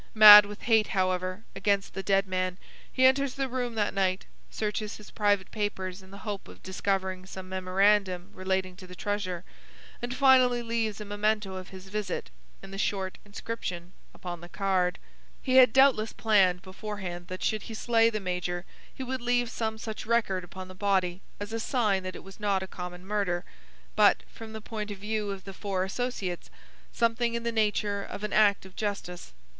Mad with hate, however, against the dead man, he enters the room that night, searches his private papers in the hope of discovering some memorandum relating to the treasure, and finally leaves a momento of his visit in the short inscription upon the card. He had doubtless planned beforehand that should he slay the major he would leave some such record upon the body as a sign that it was not a common murder, but, from the point of view of the four associates, something in the nature of an act of justice.